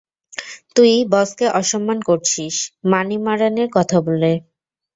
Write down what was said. তুই বসকে অসম্মান করছিস, মানিমারানের কথা বলে।